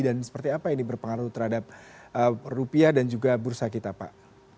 dan seperti apa ini berpengaruh terhadap rupiah dan juga bursa kita pak